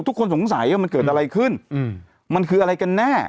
ทุกคนสงสัยว่ามันเกิดอะไรขึ้นมันคืออะไรกันแน่